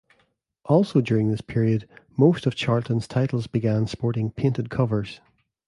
Also during this period, most of Charlton's titles began sporting painted covers.